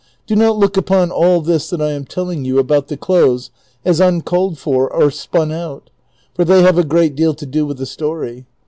Do not look upon all this that I am telling you about the clothes as uncalled for or spun out, tor they have a great deal to do with the story.